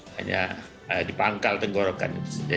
hanya di pangkal tenggorokan itu saja